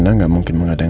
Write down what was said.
emangnya ada eeee keanggaan